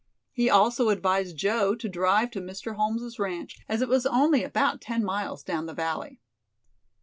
He also advised Joe to drive to Mr. Holmes' ranch, as it was only about ten miles down the valley.